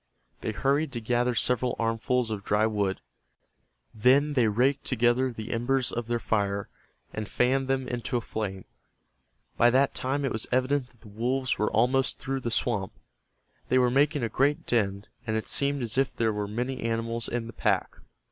They hurried to gather several armfuls of dry wood. Then they raked together the embers of their fire, and fanned them into a flame. By that time it was evident that the wolves were almost through the swamp. They were making a great din, and it seemed as if there were many animals in the pack.